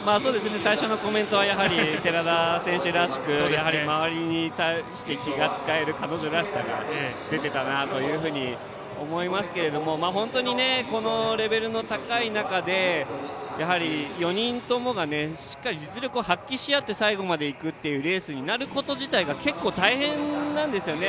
最初のコメントは寺田選手らしく周りに対して気が使える彼女らしさが出ていたなと思いますがこのレベルの高い中で４人ともがしっかり実力を発揮し合って最後まで行くというレースになること自体が結構、大変なんですね。